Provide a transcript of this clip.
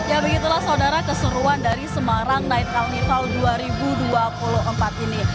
ya begitulah saudara keseruan dari semarang night carnival dua ribu dua puluh empat ini